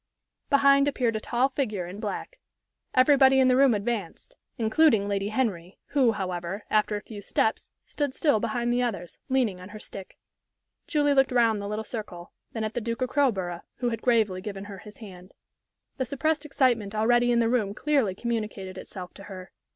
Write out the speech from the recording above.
Behind appeared a tall figure in black. Everybody in the room advanced, including Lady Henry, who, however, after a few steps stood still behind the others, leaning on her stick. Julie looked round the little circle, then at the Duke of Crowborough, who had gravely given her his hand. The suppressed excitement already in the room clearly communicated itself to her.